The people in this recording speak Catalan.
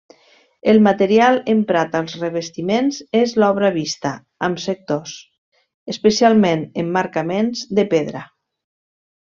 El material emprat als revestiments és l'obra vista, amb sectors, especialment emmarcaments, de pedra.